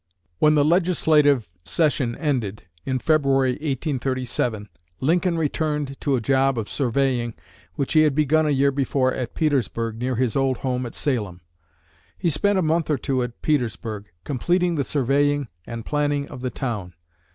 When the legislative session ended, in February, 1837, Lincoln returned to a job of surveying which he had begun a year before at Petersburg, near his old home at Salem. He spent a month or two at Petersburg, completing the surveying and planning of the town.